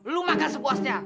lu makan sepuasnya